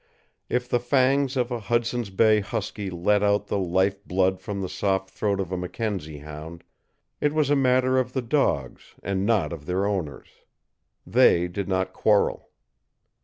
If the fangs of a Hudson's Bay husky let out the life blood from the soft throat of a Mackenzie hound, it was a matter of the dogs, and not of their owners. They did not quarrel.